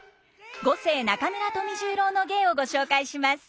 五世中村富十郎の芸をご紹介します。